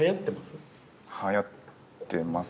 ◆はやってます？